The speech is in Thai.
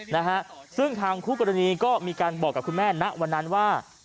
นะฮะซึ่งทางคู่กรณีก็มีการบอกกับคุณแม่ณวันนั้นว่า